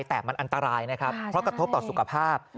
แต่มันอันตรายนะครับเพราะกระทบต่อสุขภาพ